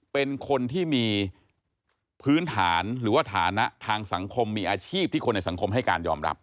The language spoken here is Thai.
เป็นคนที่มีพื้นฐานหรือว่าฐานะทางสังคมมีอาชีพที่คนในสังคมให้การยอมรับ